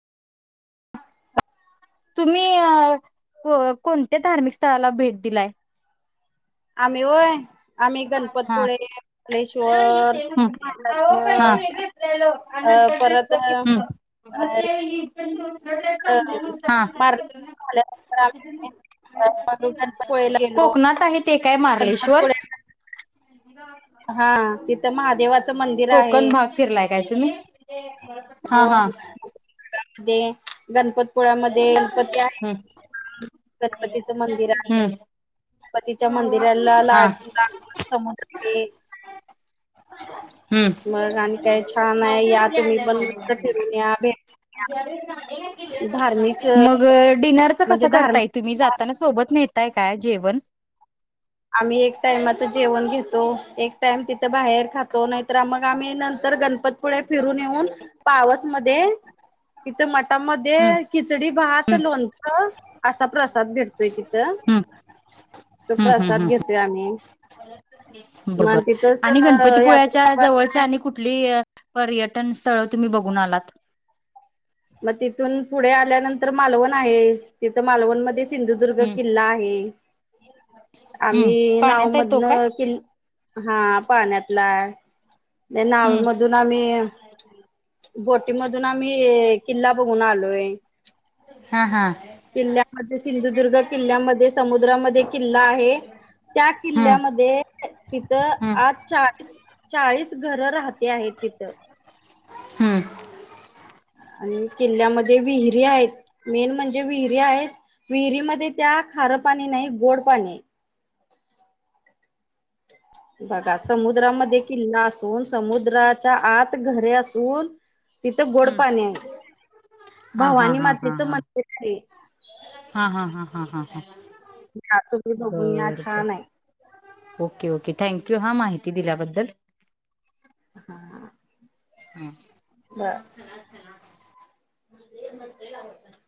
[unintelligible] तुम्ही अ को कोणत्या धार्मिक स्थळाला भेट दिलाय? आम्ही ओय आम्ही हा. गणपतपुळेले कलेश्वर. [unintelligible] हम्म. [unintelligible] अ परत अ [unintelligible] मारल्यानंतर आम्ही हा. मग गणपतपुळेला गेलो कोकणात आहे ते काय मार्लेश्वर? गणपतपुळे हा तिथं महादेवाचं मंदिर आहे कोकण भाग फिरलाय काय तुम्ही हा हा. [inaudible] दे गणपत पुुळामध्ये गणपती आहे हम्म. गणपतीचा मंदिर हम्म आहे. गणपतीच्या मंदिराला हा [unintelligible] समुद्र ते. हम्म. मग आणि काय छान आहे या तुम्ही पण मस्त फिरून या भेट धार्मिक मग डिनरच म्हणजे कसं करताय तुम्ही धार्मिक जात ताना सोबत न्हेताय काय जेवण? आम्ही एक टाइमाचं जेवण घेतो, एक टाइम तिथं बाहेर खातो नाहीतर आम्हा का आम्ही नंतर गणपत पुढे फिरून येऊन पावस मध्ये तिथं मटामध्ये हम्म खिचडी, भात, लोणचं असा प्रसाद भेटतोय तिथं. हम्म तो हम्म हम्म प्रसाद हम्म. घेतोय आम्ही. बरोबर मग तिथंच आणि गणपतीपुळ्याच्या यात्रा जवळ आणि कुठलीय पर्यटन स्थळ तुम्ही बघून आलात? म तिथून पुढे आल्यानंतर मालवण आहे तिथं मालवण मध्ये सिंधु दुर्ग हम्म किल्ला आहे हम्म आम्ही पाण्यात आहे तो काय? नावमधनं किल्ल हा पाण्यातला ते हम्म नावमधून आम्ही बोटीमधून आम्ही किल्ला बघून आलोय. हा हा. किल्ल्यामध्ये सिंधुदुर्ग किल्ल्यामध्ये समुद्रामध्ये किल्ला आहे. त्या हम्म किल्ल्यामध्ये तिथं हम्म आत चा ळीस चाळीस घर राहत्या आहे तिथं. हम्म आणि किल्ल्यामध्ये विहिरी आहेत मेन म्हणजे विहिरी आहे. विहिरीमध्ये त्या खारं पाणी नाही गोड पाणी आहे. बघा समुद्रामध्ये किल्ला असून समुद्राच्या आत घरे असून तिथं गोड हम्म पाणी आहे हा हा भावानी हा हा मातेचा हा मंदिर आहे. हा हा हा हा हा हा तुम्ही बघून या बरं छान बरं. आहे. ओके ओके थँक्यू हा माहिती दिल्याबद्दल. [unintelligible] हा चल चल आत चल मंदीर मध्ये